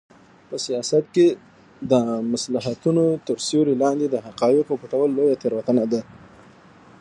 په سیاست کې د مصلحتونو تر سیوري لاندې د حقایقو پټول لویه تېروتنه ده.